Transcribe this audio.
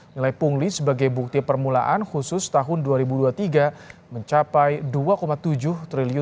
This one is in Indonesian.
nilai pungli sebagai bukti permulaan khusus tahun dua ribu dua puluh tiga mencapai rp dua tujuh triliun